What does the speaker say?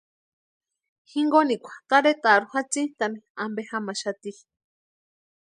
Jinkonikwa tarhetarhu jatsintani ampe jamaxati.